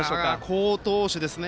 好投手ですね。